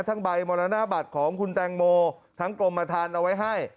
ใบมรณบัตรของคุณแตงโมทั้งกรมฐานเอาไว้ให้